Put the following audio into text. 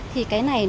thì cái này nó sẽ